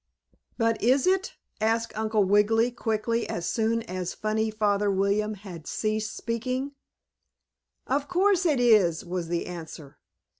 "But is it?" asked Uncle Wiggily quickly, as soon as funny Father William had ceased speaking. "Of course it is," was the answer.